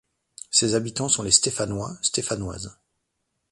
Ses habitants sont les Stéphanois, Stéphanoises.